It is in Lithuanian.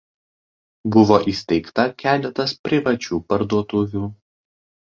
Buvo įsteigta keletas privačių parduotuvių.